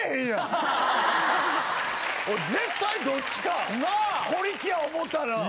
俺絶対どっちか小力や思うたら。